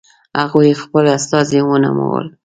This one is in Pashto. هغوی خپل استازي ونومول.